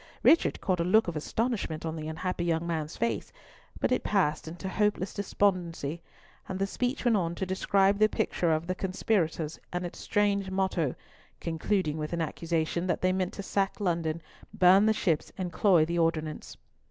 Richard caught a look of astonishment on the unhappy young man's face, but it passed into hopeless despondency, and the speech went on to describe the picture of the conspirators and its strange motto, concluding with an accusation that they meant to sack London, burn the ships, and "cloy the ordnance."